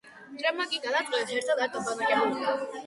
მტრებმა კი გადაწყვიტეს ერთად არ დაბანაკებულიყვნენ.